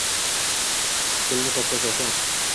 Dilni toptash oson